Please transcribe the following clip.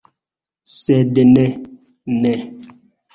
Sed ne, ne!